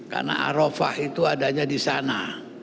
karena arafah itu adanya di sana